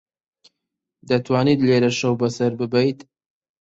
دەتوانیت لێرە شەو بەسەر ببەیت.